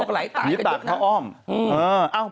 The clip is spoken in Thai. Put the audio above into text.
ผีตากเข้าอ้อม